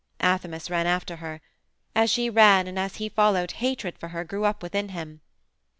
Athamas ran after her. As she ran and as he followed hatred for her grew up within him.